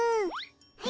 はい。